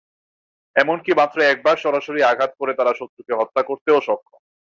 এমনকি মাত্র একবার সরাসরি আঘাত করে তারা শত্রুকে হত্যা করতেও সক্ষম।